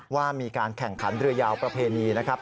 ว่ามีการแข่งขันเรือยาวประเพณีนะครับ